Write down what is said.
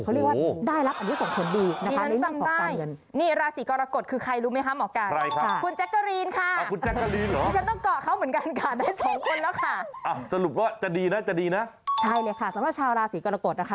เขาเรียกว่าได้รับอันนี้สมควรดีนะคะ